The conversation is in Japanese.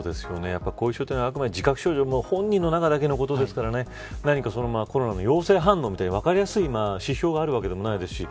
後遺症はあくまで自覚症状本人の中だけのことですからコロナの陽性反応みたいに分かりやすい指標があるわけでもないですし。